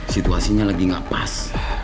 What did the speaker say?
situasinya lagi gak pas